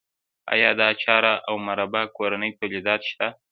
آیا د اچار او مربا کورني تولیدات شته؟